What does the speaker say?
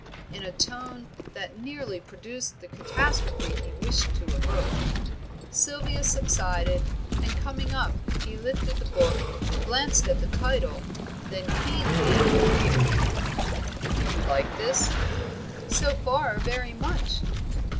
in a tone that nearly produced the catastrophe he wished to avert. Sylvia subsided, and coming up he lifted the book, glanced at the title, then keenly at the reader. "Do you like this?" "So far very much."